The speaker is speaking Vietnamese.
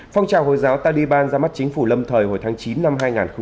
phong trào hồi giáo taliban ra mắt chính phủ lâm thời hồi tháng chín năm hai nghìn một mươi ba